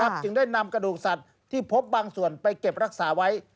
จึงได้นำกระดูกสัตว์ที่พบบางส่วนไปเก็บรักษาไว้